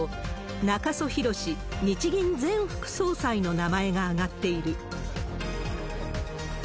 中曽宏日銀前副総裁の名前が挙がっている。